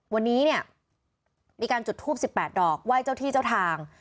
วันนี้เนี่ยมีการจุดทูป๑๘ดอกไหว้เจ้าที่เจ้าทาง